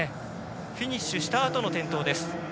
フィニッシュしたあとの転倒です。